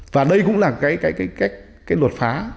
và đây cũng là cái luật phá